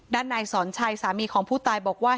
ด้านนายสอนชัยสามีของผู้ตายบอกว่า